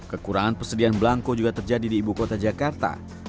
kekurangan persediaan belangko juga terjadi di ibu kota jakarta